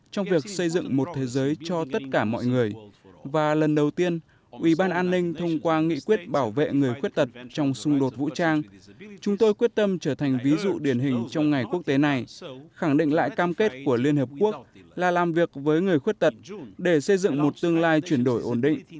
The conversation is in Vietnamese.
trong việc xây dựng một thế giới cho tất cả mọi người và lần đầu tiên ủy ban an ninh thông qua nghị quyết bảo vệ người khuyết tật trong xung đột vũ trang chúng tôi quyết tâm trở thành ví dụ điển hình trong ngày quốc tế này khẳng định lại cam kết của liên hợp quốc là làm việc với người khuyết tật để xây dựng một tương lai chuyển đổi ổn định